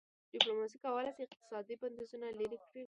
ډيپلوماسي کولای سي اقتصادي بندیزونه لېرې کړي.